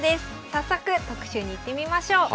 早速特集にいってみましょう。